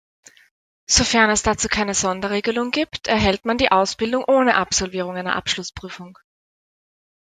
Sofern es dazu keine Sonderregelung gibt, erhält man die Ausbildung ohne Absolvierung einer Abschlussprüfung.